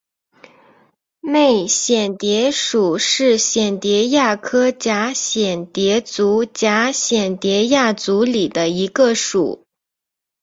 媚蚬蝶属是蚬蝶亚科蛱蚬蝶族蛱蚬蝶亚族里的一个属。